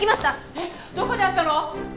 えっどこにあったの？